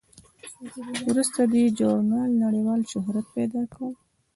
وروسته دې ژورنال نړیوال شهرت پیدا کړ.